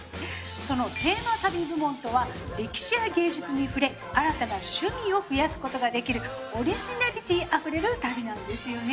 そのテーマ旅部門とは歴史や芸術に触れ新たな趣味を増やすことができるオリジナリティーあふれる旅なんですよね。